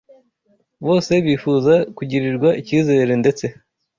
bose bifuza kugirirwa icyizere ndetse